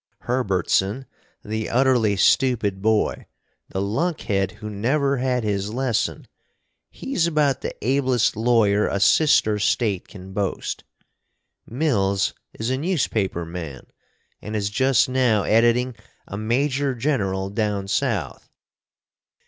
Hurburtson the utterly stupid boy the lunkhead who never had his lesson, he's about the ablest lawyer a sister State can boast. Mills is a newspaper man, and is just now editing a Major General down South.